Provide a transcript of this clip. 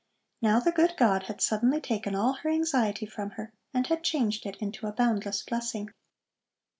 Now the good God had suddenly taken all her anxiety from her and had changed it into a boundless blessing.